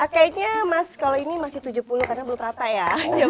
kayaknya mas kalau ini masih tujuh puluh karena belum rata ya